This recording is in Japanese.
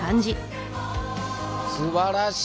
すばらしい！